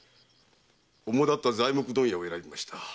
主だった材木問屋を選びました。